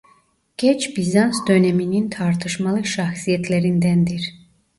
Geç Bizans döneminin tartışmalı şahsiyetlerindendir.